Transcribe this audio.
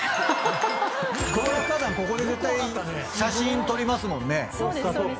ここで絶対写真撮りますもんね。